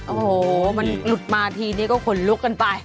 โอ้โหมันหลุดมาทีนี้ก็ขนลุกกันไป